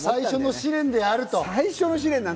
最初の試練であると。